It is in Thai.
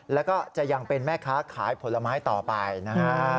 แล้วก็จะยังเป็นแม่ค้าขายผลไม้ต่อไปนะฮะ